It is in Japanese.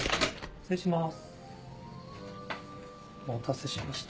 失礼します。